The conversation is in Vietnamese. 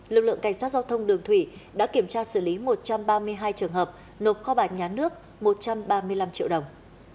lực lượng cảnh sát giao thông đường thủy đã kiểm tra xử lý một trăm ba mươi hai trường hợp nộp kho bạc nhà nước một trăm ba mươi năm triệu đồng